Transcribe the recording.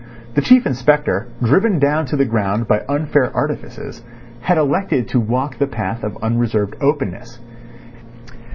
The Chief Inspector, driven down to the ground by unfair artifices, had elected to walk the path of unreserved openness.